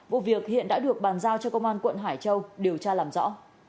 vụ việc hiện đã được bàn giao cho công an quận hải châu điều tra làm rõ